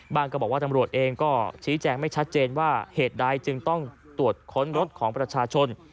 ก็บอกว่าตำรวจเองก็ชี้แจงไม่ชัดเจนว่าเหตุใดจึงต้องตรวจค้นรถของประชาชน